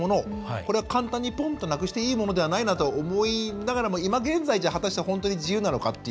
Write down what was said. これは簡単になくしていいものではないと思いながらもいま現在果たして本当に自由なのかと。